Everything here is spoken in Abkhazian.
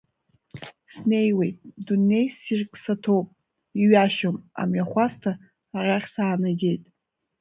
Снеиуеит, дунеи ссирк саҭоуп, иҩашьом, амҩахәасҭа арахь саанагеит.